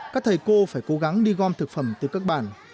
các thầy cô phải cố gắng đi gom thực phẩm từ các bản